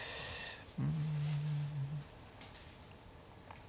うん。